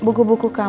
jadi kita bisa makan